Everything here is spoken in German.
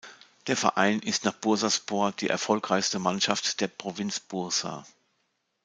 Der Verein ist nach Bursaspor die erfolgreichste Mannschaft der Provinz Bursa.